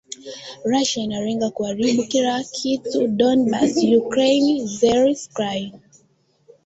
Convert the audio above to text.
Russia inalenga kuharibu kila kitu Donbas Ukraine - Zelensky